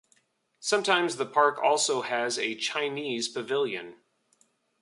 Sometimes the park also has a "Chinese" pavilion.